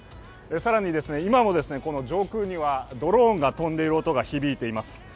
更に、今も上空にはドローンが飛んでいる音が響いています。